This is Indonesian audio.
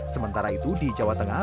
sementara itu di jawa tengah